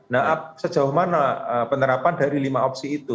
nah sejauh mana penerapan dari lima opsi itu